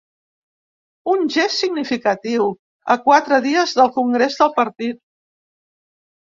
Un gest significatiu, a quatre dies del congrés del partit.